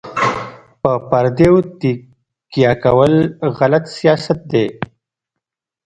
په پردیو تکیه کول غلط سیاست دی.